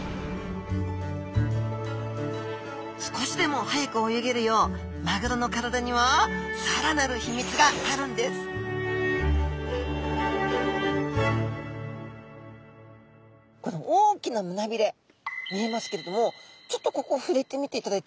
少しでも速く泳げるようマグロの体には更なる秘密があるんです大きな胸びれ見えますけれどもちょっとここ触れてみていただいてもいいですか。